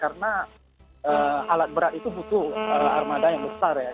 karena alat berat itu butuh armada yang besar ya kan